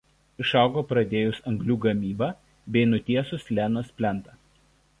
Išaugo pradėjus anglių gavybą bei nutiesus Lenos plentą.